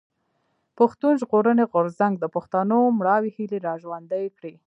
پښتون ژغورني غورځنګ د پښتنو مړاوي هيلې را ژوندۍ کړې.